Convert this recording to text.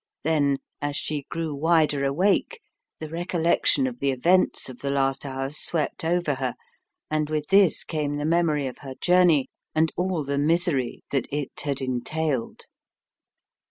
Then as she grew wider awake, the recollection of the events of the last hours swept over her, and with this came the memory of her journey, and all the misery that it had entailed.